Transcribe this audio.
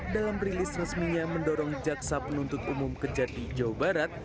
dalam rilis resminya mendorong jaksa penuntut umum kejati jawa barat